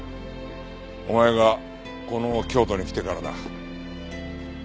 お前がこの京都に来てからだ。